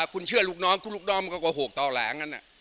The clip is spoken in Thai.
คุณเชื่อลูกน้องคุณลูกน้องมันก็โกหกต่อแหลงกัน